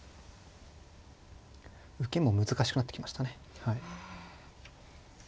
受けも難しくなってきましたね。